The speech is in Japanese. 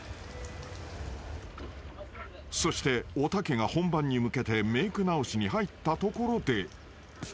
［そしておたけが本番に向けてメーク直しに入ったところで］